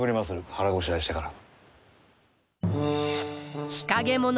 腹ごしらえしてから。